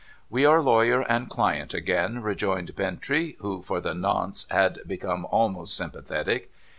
' We are lawyer and client again,' rejoined Bintrey, who, for the nonce, had become almost sympathetic.